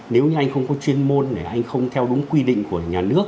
nếu như anh không có chuyên môn này anh không theo đúng quy định của nhà nước